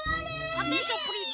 アテンションプリーズ！